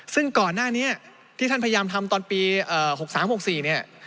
ซึ่งก่อนหน้านี้ที่ท่านพยายามทำตอนปี๖๓๖๔เนี่ย